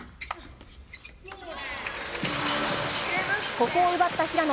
ここを奪った平野。